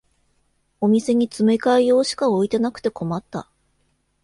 お店に詰め替え用しか置いてなくて困った